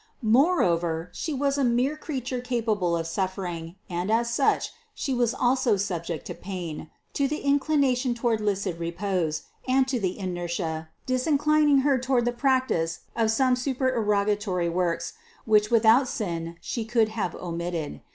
More over She was a mere creature capable of suffering, and as such She was also subject to pain, to the inclination to ward licit repose, and to the inertia, disinclining Her 371 372 CITY OF GOD toward the performance of some supererogatory works, which without sin She could have omitted.